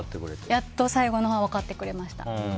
やっと最後のほうは分かってくれました。